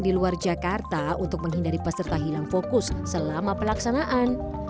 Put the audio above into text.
di luar jakarta untuk menghindari peserta hilang fokus selama pelaksanaan